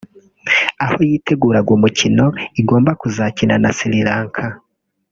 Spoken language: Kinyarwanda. aho yiteguraga umukino igomba kuzakina na Sri Lanka